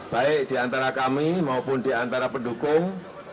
baik di antara kami maupun di antara pendukung